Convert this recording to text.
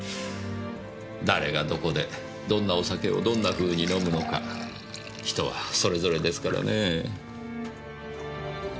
誰がどこでどんなお酒をどんなふうに飲むのか人はそれぞれですからねぇ。